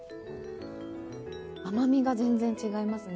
甘味が全然違いますね。